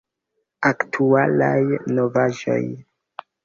Aktualaj novaĵoj!